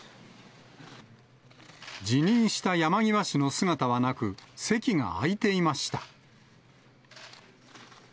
辞任した山際氏の姿はなく、席が空いていました。